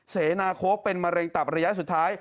เสนาโค้กเป็นมะเร็งตับระยะสุดท้าย